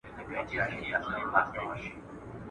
o له څاڅکو څاڅکو څه درياب جوړېږي.